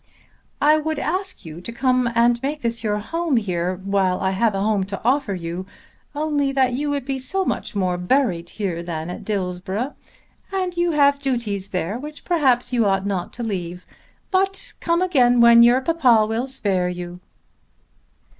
"I would ask you to come and make your home here while I have a home to offer you, only that you would be so much more buried here than at Dillsborough. And you have duties there which perhaps you ought not to leave. But come again when your papa will spare you."